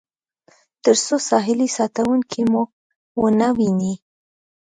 تر څو ساحلي ساتونکي مو ونه وویني.